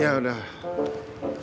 ya udah yuk